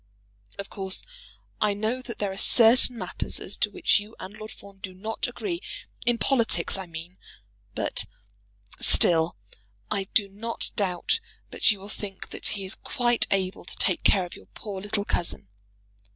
Of course I know that there are certain matters as to which you and Lord Fawn do not agree, in politics, I mean; but still I do not doubt but you will think that he is quite able to take care of your poor little cousin.